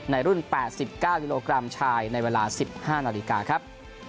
ในรุ่น๘๙กิโลกรัมชายในเวลา๑๕นาฬิกาครับ